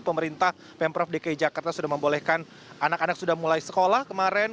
pemerintah pemprov dki jakarta sudah membolehkan anak anak sudah mulai sekolah kemarin